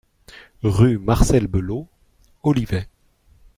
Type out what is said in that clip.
Rue Marcel Belot, Olivet